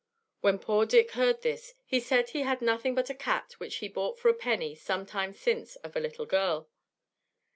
When poor Dick heard this, he said he had nothing but a cat which he bought for a penny some time since of a little girl.